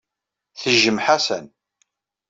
Tejjem Ḥasan.